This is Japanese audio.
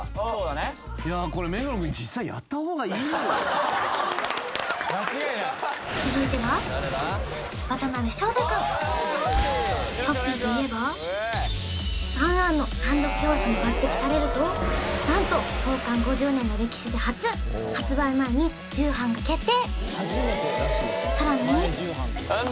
これ目黒君・間違いない続いては渡辺翔太君しょっぴーといえば「ａｎａｎ」の単独表紙に抜擢されると何と創刊５０年の歴史で初発売前に重版が決定